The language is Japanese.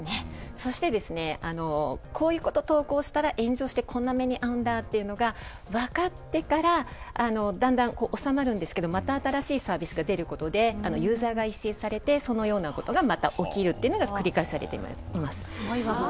こういうことを投稿したら炎上してこんな目に遭うんだというのが分かってからだんだん収まるんですがまた新しいサービスがでることでユーザーが一掃されてまたこういうことが起きるということが繰り返されています。